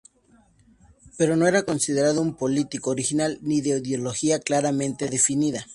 Pero no era considerado un político original, ni de ideología claramente definida.